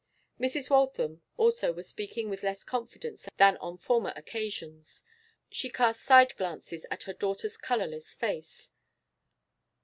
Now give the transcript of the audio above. Mrs. Waltham also was speaking with less confidence than on former occasions. She cast side glances at her daughter's colourless face.